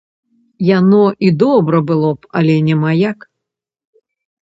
Яно і добра было б, але няма як.